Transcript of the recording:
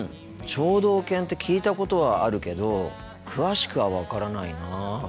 聴導犬って聞いたことはあるけど詳しくは分からないな。